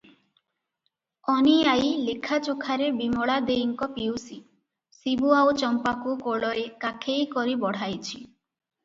ଅନୀ ଆଈ ଲେଖାଯୋଖାରେ ବିମଳା ଦେଈଙ୍କ ପିଉସୀ, ଶିବୁ ଆଉ ଚମ୍ପାକୁ କୋଳରେ କାଖରେ କରି ବଢ଼ାଇଛି ।